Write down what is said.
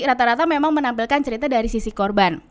rata rata memang menampilkan cerita dari sisi korban